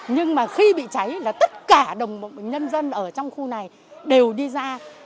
nhưng mà khi bị cháy là tất cả đồng nhân dân ở trong khu này đều đi ra